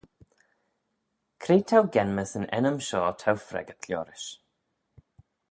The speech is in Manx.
Cre t'ou genmys yn ennym shoh t'ou freggyrt liorish?